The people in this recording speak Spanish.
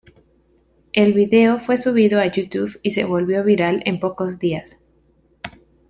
El video fue subido a YouTube y se volvió viral en pocos días.